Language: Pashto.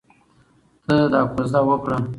ته دا کوژده وکړه.